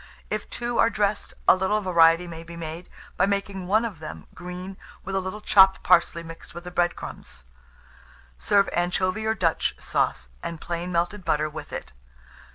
If 2 are dressed, a little variety may be made by making one of them green with a little chopped parsley mixed with the bread crumbs. Serve anchovy or Dutch sauce, and plain melted butter with it.